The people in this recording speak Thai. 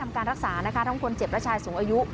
การรักษานะคะทั้งคนเจ็บและชายสูงอายุ